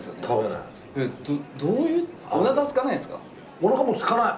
おなかもうすかない。